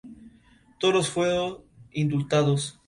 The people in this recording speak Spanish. En años recientes ha publicado grabaciones en solitario.